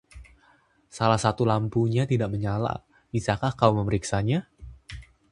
Salah satu lampunya tidak menyala. Bisakah kau memeriksanya?